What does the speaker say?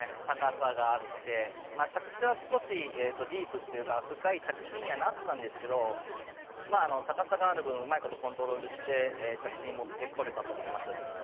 高さがあって着地は少しディープというか深い着地にはなったんですが高さがある分うまいことコントロールして着地にもってこれたと思います。